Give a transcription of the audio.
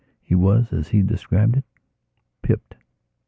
He was, as he described it, pipped.